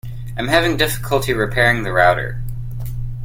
I'm having difficulty repairing the router.